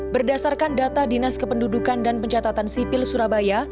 berdasarkan data dinas kependudukan dan pencatatan sipil surabaya